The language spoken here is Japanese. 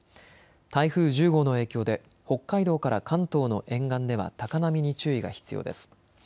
台風１０号の影響で北海道から関東の沿岸では高波に注意が必要です。